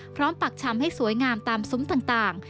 ปักชำให้สวยงามตามซุ้มต่าง